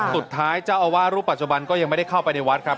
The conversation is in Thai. สุดท้ายเจ้าอาวาสรูปปัจจุบันก็ยังไม่ได้เข้าไปในวัดครับ